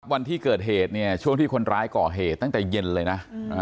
วันที่เกิดเหตุเนี่ยช่วงที่คนร้ายก่อเหตุตั้งแต่เย็นเลยนะ